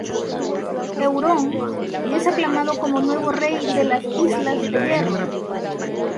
Euron es aclamado como nuevo Rey de las Islas del Hierro.